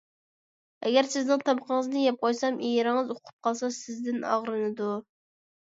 ئەگەر سىزنىڭ تامىقىڭىزنى يەپ قويسام، ئېرىڭىز ئۇقۇپ قالسا سىزدىن ئاغرىنىدۇ.